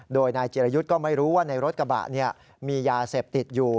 โดยนายจิรยุทธ์ก็ไม่รู้ว่าในรถกระบะมียาเสพติดอยู่